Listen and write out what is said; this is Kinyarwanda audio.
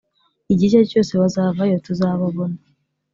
igihe icyo aricyo cyose bazavayo tuzababona